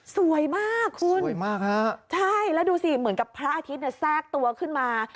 สวยมากคุณสวยมากฮะใช่แล้วดูสิเหมือนกับพระอาทิตย์เนี่ยแทรกตัวขึ้นมา